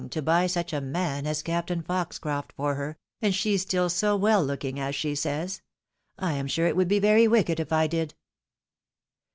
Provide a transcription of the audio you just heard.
to buy such a man as Captain Poxcroft for her, and she stiQ so well looking, as she says — ^I am sure it would be very wicked if I did."